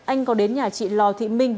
anh có đến nhà chị lò thị minh